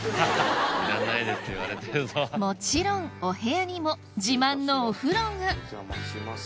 もちろんお部屋にも自慢のお風呂がお邪魔します